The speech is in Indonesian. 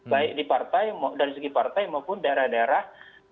baik di partai dari segi partai maupun daerah daerah